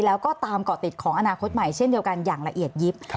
แล้วก็ตามเกาะติดของอนาคตใหม่เช่นเดียวกันอย่างละเอียดยิบ